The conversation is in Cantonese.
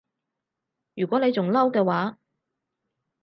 如果你仲嬲嘅話